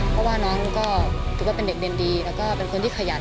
เพราะว่าน้องเป็นเด็กเด้นดีและเป็นคนที่ขยัน